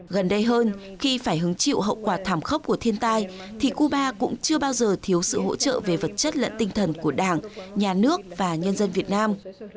gần đây hơn khi phải hứng chịu hậu quả thảm khốc của thiên tai thì cuba cũng chưa bao giờ thiếu sự hỗ trợ về vật chất lẫn tinh thần của đảng nhà nước và nhân dân việt nam